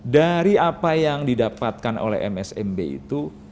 dari apa yang didapatkan oleh msmb itu